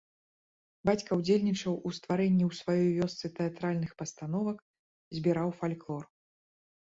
Бацька ўдзельнічаў у стварэнні ў сваёй вёсцы тэатральных пастановак, збіраў фальклор.